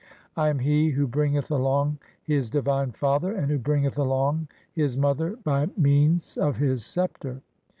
I am he who bringeth alom; his divine father, "and who bringeth along his mother by means of his sceptre (J).